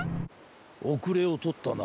おくれをとったな。